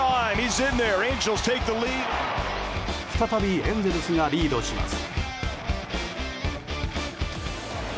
再び、エンゼルスがリードします。